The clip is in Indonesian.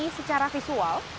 ada transisi secara visual